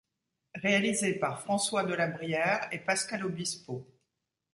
Réalisé par François Delabrière et Pascal Obispo.